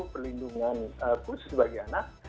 pelindungan khusus bagi anak